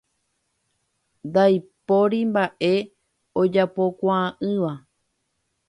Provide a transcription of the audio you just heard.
Ndaipóri mbaʼe ojapokuaaʼỹva.